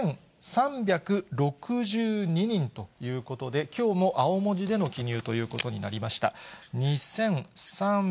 ２３６２人ということで、きょうも青文字での記入ということになりました。